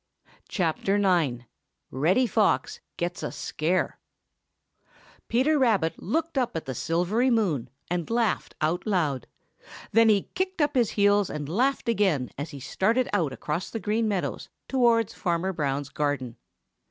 IX. REDDY FOX GETS A SCARE |PETER RABBIT looked up at the silvery moon and laughed aloud. Then he kicked up his heels and laughed again as he started out across the Green Meadows towards Fanner Brown's garden.